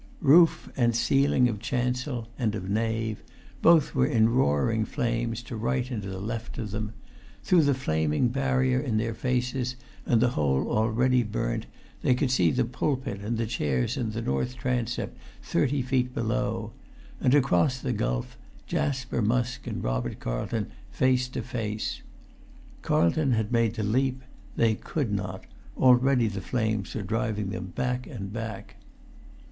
Roof and ceiling of chancel and of nave, both were in roaring flames to right and to left of them;[Pg 395] through the flaming barrier in their faces, and the hole already burnt, they could see the pulpit and the chairs in the north transept thirty feet below; and across the gulf, Jasper Musk and Robert Carlton face to face. Carlton had made the leap; they could not; already the flames were driving them back and back.